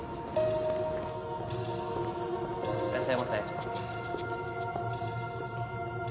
いらっしゃいませ。